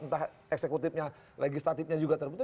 entah eksekutifnya legislatifnya juga terbuka